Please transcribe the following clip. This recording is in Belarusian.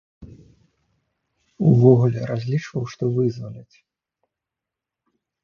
Увогуле разлічваў, што вызваляць.